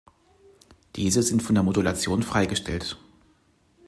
Diese sind von der Modulation freigestellt.